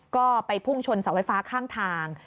ก็ไปพุ่งชนเสาไฟฟ้าข้างทาง